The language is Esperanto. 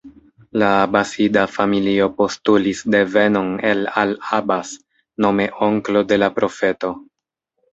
La Abasida familio postulis devenon el al-Abbas, nome onklo de la Profeto.